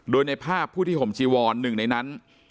โดยในภาพผู้ที่ห่มจีวอนหนึ่งในนั้น